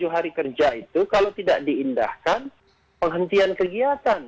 tujuh hari kerja itu kalau tidak diindahkan penghentian kegiatan